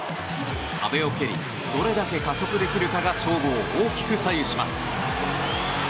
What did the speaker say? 壁を蹴りどれだけ加速できるかが勝負を大きく左右します。